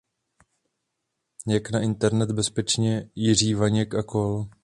"Jak na Internet - Bezpečně", Jiří Vaněk a kol.